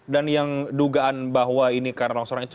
dan yang dugaan bahwa ini karena longsoran itu